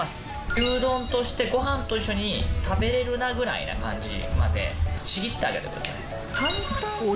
牛丼としてごはんと一緒に食べられるなくらいな感じまでちぎってあげてください。